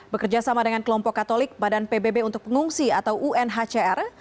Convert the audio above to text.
bekerja sama dengan kelompok katolik badan pbb untuk pengungsi atau unhcr